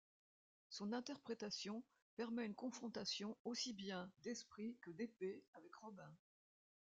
Son interprétation permet une confrontation aussi bien d'esprit que d'épée avec Robin.